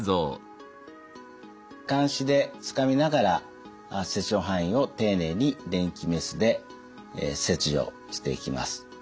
かんしでつかみながら切除範囲を丁寧に電気メスで切除していきます。